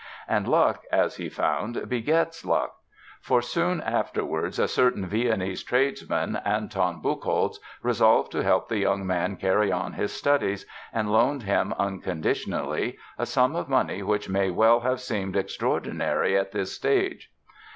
And luck, as he found, begets luck. For soon afterwards, a certain Viennese tradesman, Anton Buchholz, resolved to help the young man carry on his studies and loaned him "unconditionally" a sum of money which may well have seemed extraordinary at this stage.